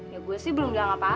ya gue sih belum gak apa apa